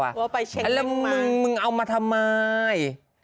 ว่าไปเช็งแม่งเพราะมึงเอามาทำไม